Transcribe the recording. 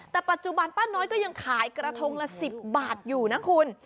แต่ปัจจุบันป้าน้อยก็ยังขายกระทงละ๑๐บาทอยู่นะคุณ